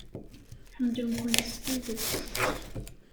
Ḥemmlen-kent s tidet.